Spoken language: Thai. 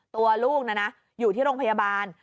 ตัวลูกอยู่ที่โรงพยาบาล